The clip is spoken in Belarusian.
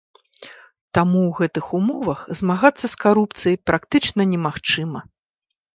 Таму ў гэтых умовах змагацца з карупцыяй практычна немагчыма.